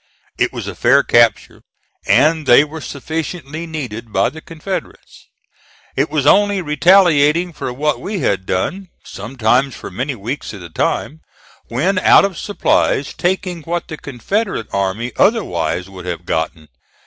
It was a fair capture, and they were sufficiently needed by the Confederates. It was only retaliating for what we had done, sometimes for many weeks at a time, when out of supplies taking what the Confederate army otherwise would have gotten.